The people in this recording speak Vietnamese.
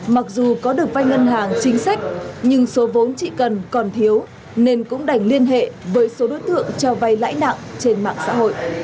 mặc dù có được vai ngân hàng chính sách nhưng số vốn chỉ cần còn thiếu nên cũng đành liên hệ với số đối tượng cho vay lãi nặng trên mạng xã hội